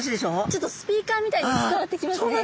ちょっとスピーカーみたいに伝わってきますね。